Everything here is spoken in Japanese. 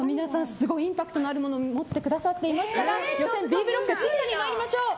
すごいインパクトのあるもの持って来てくださいましたが予選Ｂブロック審査に参りましょう。